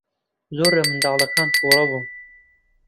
زۆر لە منداڵەکان تووڕە بوو.